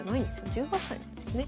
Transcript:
１８歳なんですよね。